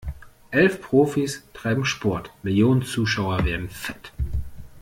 Elf Profis treiben Sport, Millionen Zuschauer werden fett.